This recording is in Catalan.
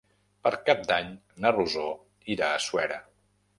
Per Cap d'Any na Rosó irà a Suera.